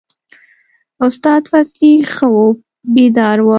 استاد فضلي ښه وو بیداره و.